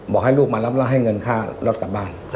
บอกให้ลูกมารับฤทธิ์ให้เงินค่าลดกลับบ้าน